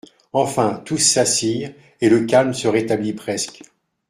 Enfin, tous s'assirent et le calme se rétablit presque.